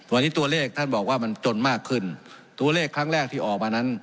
วันนี้ตัวเลขท่านบอกว่ามันจนมากขึ้นตัวเลขครั้งแรกที่ออกมานั้น